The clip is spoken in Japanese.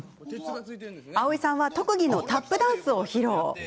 蒼井さんは特技のタップダンスを披露。